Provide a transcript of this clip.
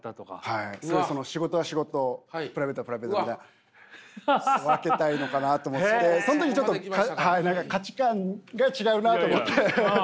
仕事は仕事プライベートはプライベートみたいな分けたいのかなと思ってその時ちょっとはい何か価値観が違うなと思って。